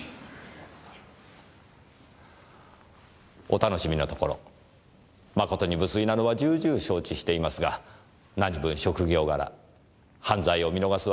お楽しみのところ誠に無粋なのは重々承知していますが何分職業柄犯罪を見逃がすわけにはいかないものですから。